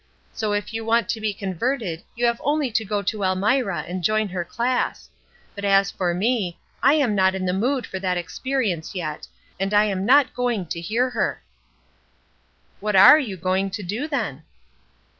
So if you want to be converted you have only to go to Elmira and join her class; but as for me, I am not in the mood for that experience yet, and I am not going near her." "What are you going to do then?"